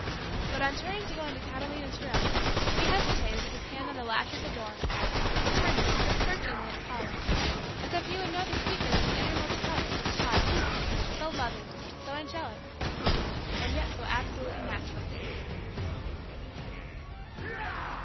But on turning to go into Catalina's room, he hesitated with his hand on the latch of the door, and turning, he looked searchingly at Paula, as if he would know the secret of the innermost heart of this child, so loving, so angelic, and yet so absolutely natural.